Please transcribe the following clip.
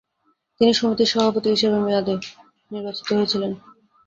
তিনি সমিতির সভাপতি হিসেবে মেয়াদে নির্বাচিত হয়েছিলেন।